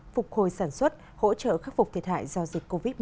phục hồi sản xuất hỗ trợ khắc phục thiệt hại do dịch covid một mươi chín